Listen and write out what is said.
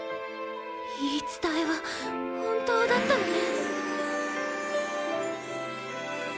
言い伝えは本当だったのね。